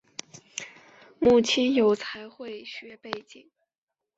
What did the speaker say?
母亲有财会学背景。